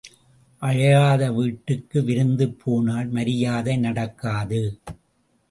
அழையாத வீட்டுக்கு விருந்துக்குப் போனால் மரியாதை நடக்காது.